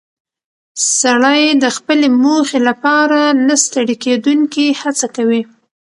سړی د خپلې موخې لپاره نه ستړې کېدونکې هڅه کوي